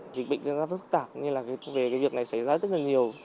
dịch bệnh rất là phức tạp nhưng là về cái việc này xảy ra rất là nhiều